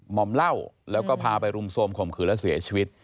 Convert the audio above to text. อมเหล้าแล้วก็พาไปรุมโทรมข่มขืนแล้วเสียชีวิต